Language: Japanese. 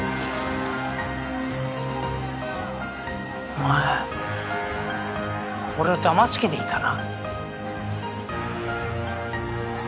お前俺をだます気でいたな。